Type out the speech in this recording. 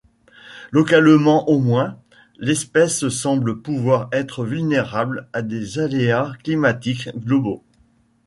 Localement au moins, l'espèce semble pouvoir être vulnérable à des aléas climatiques globaux.